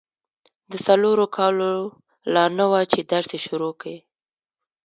د څلورو کالو لا نه وه چي درس يې شروع کی.